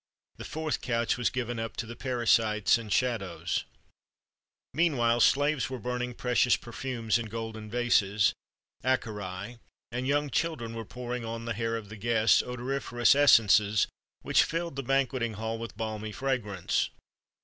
The fourth couch was given up to the parasites and shadows.[XXXV 22] Meanwhile, slaves were burning precious perfumes in golden vases (acerræ), and young children were pouring on the hair of the guests odoriferous essences, which filled the banqueting hall with balmy fragrance.